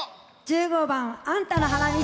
１５番「あんたの花道」。